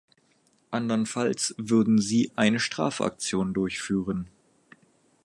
Andernfalls würden sie eine Strafaktion durchführen.